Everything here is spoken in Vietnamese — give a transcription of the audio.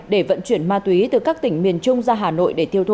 để vận chuyển ma túy từ các tỉnh miền trung ra hà nội để tiêu thụ